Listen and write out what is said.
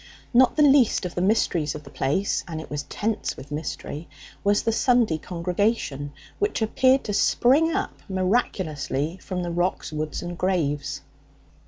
Not the least of the mysteries of the place, and it was tense with mystery, was the Sunday congregation, which appeared to spring up miraculously from the rocks, woods and graves.